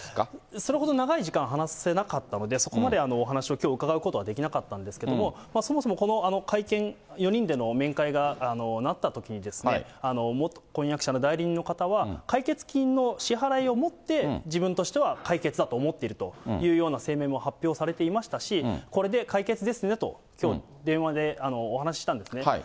それほど長い時間、話せなかったので、そこまでお話をきょう、伺うことはできなかったんですけれども、そもそもこの会見、４人での面会がなったときに、元婚約者の代理人の方は、解決金の支払いをもって、自分としては解決だと思っているというような声明も発表されていましたし、これで解決ですねと、きょう、電話でお話したんですね。